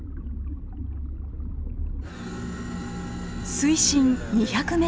水深２００ｍ。